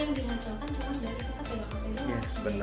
yang dihasilkan cuma dari kita